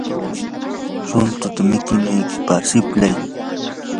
runtuta mikunaykipaq siplay.